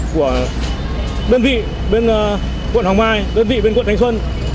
của đơn vị bên quận hồng mai đơn vị bên quận thánh xuân